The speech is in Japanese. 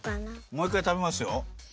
もう１かい食べますよ。